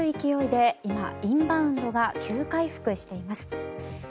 コロナ前の水準に迫る勢いで今、インバウンドが急回復しています。